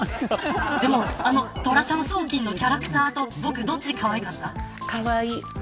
トラちゃん送金のキャラクターと僕、どっちかわいかった。